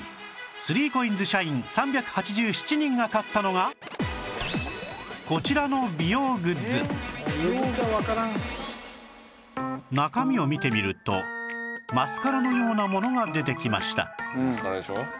３ＣＯＩＮＳ 社員３８７人が買ったのがこちらの美容グッズ中身を見てみるとマスカラのようなものが出てきました